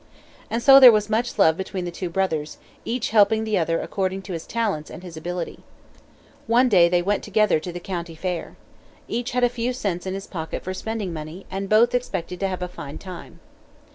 And so there was much love between the two brothers, each helping the other according to his talents and his ability. One day they went together to the county fair. Each had a few cents in his pocket for spending money, and both expected to have a fine time.